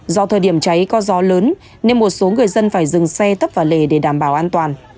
do thời điểm cháy có gió lớn nên một số người dân phải dừng xe tấp vào lề để đảm bảo an toàn